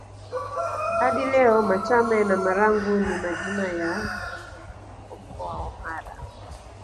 Hadi leo Machame na Marangu ni majina ya vitongoji huko Mkoa wa Mara